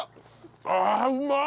ああうまっ！